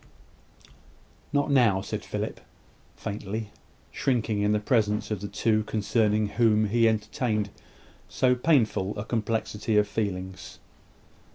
"Not now," said Philip, faintly, shrinking in the presence of the two concerning whom he entertained so painful a complexity of feelings.